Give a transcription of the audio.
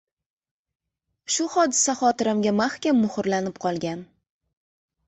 Shu hodisa xotiramga mahkam muhrlanib qolgan.